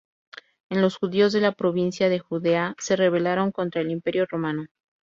En los judíos de la Provincia de Judea se rebelaron contra el Imperio romano.